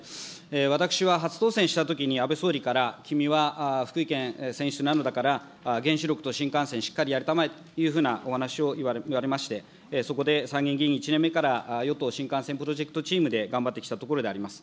私は初当選したときに安倍総理から、君は福井県選出なのだから、原子力と新幹線、しっかりやりたまえというふうなお話を言われまして、そこで参議院議員１年目から与党新幹線プロジェクトチームで頑張ってきたところであります。